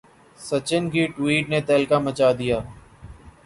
سچن کی ٹوئٹ نے تہلکہ مچا دیا